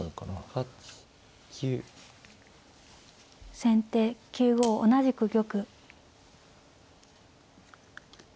先手９五同じく玉。